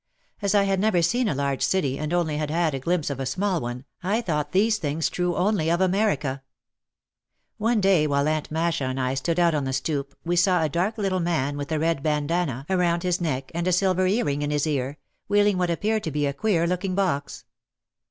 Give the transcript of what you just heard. As I had never seen a large city and only had had a glimpse of a small one, I thought these things true only of America. One day while Aunt Masha and I stood out on the stoop we saw a dark little man with a red bandana 72 OUT OF THE SHADOW around his neck and a silver earring in his ear, wheeling what appeared to be a queer looking box.